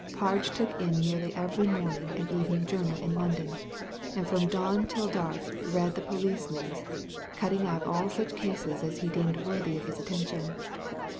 Parge took in nearly every morning and evening journal in London, and from dawn till dark read the police news, cutting out all such cases as he deemed worthy of his attention.